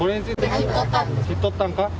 知っとったんか？